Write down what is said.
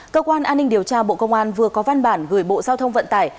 cơ quan an ninh điều tra bộ công an vừa có văn bản gửi bộ giao thông vận tải